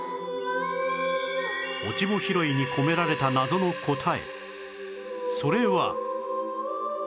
『落ち穂拾い』に込められた謎の答えそれは